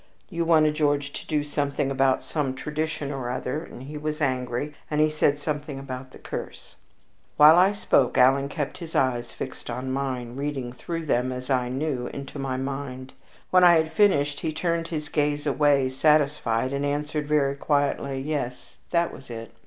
You wanted George to do something about some tradition or other, and he was angry, and he said something about the curse." While I spoke Alan kept his eyes fixed on mine, reading through them, as I knew, into my mind. When I had finished he turned his gaze away satisfied, and answered very quietly, "Yes, that was it."